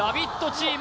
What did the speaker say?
チーム